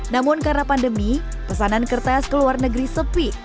namun karena pandemi pesanan kertas ke luar negeri sepi